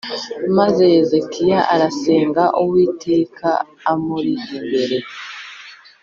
Maze Hezekiya asenga Uwiteka amuri imbere